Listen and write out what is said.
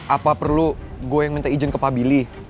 apa perlu gue yang minta izin ke fabili